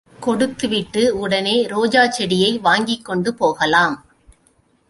கொடுத்து விட்டு, உடனே ரோஜாச் செடியை வாங்கிக்கொண்டு போகலாம்.